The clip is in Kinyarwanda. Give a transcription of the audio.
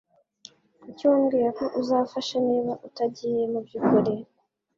Kuki wabwiye ko uzafasha niba utagiye mubyukuri?